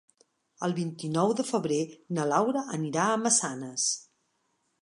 El vint-i-nou de febrer na Laura anirà a Massanes.